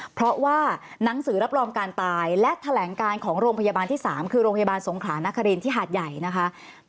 เพราะว่าหนังสือรับรองการตายและแถลงการของโรงพยาบาลที่๓คือโรงพยาบาลสงขลานครินที่หาดใหญ่นะคะ